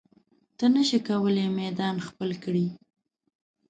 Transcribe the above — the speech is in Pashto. ته نشې کولی میدان خپل کړې.